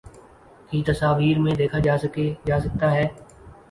کی تصاویر میں دیکھا جاسکتا ہے